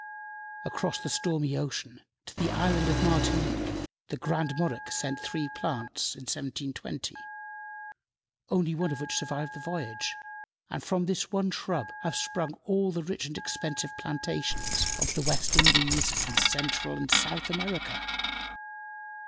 Across the stormy ocean, to the Island of Martinique, the Grand Monarch sent three plants in 1720, only one of which survived the voyage, and from this one shrub have sprung all the rich and expensive plantations of the West Indies and Central and South America.